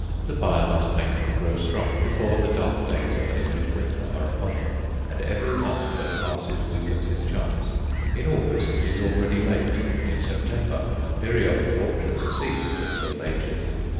The buyer must make them grow strong before the dark days of an English winter are upon him; and every month that passes weakens his chance. In August it is already late; in September, the periodical auctions ceased until lately.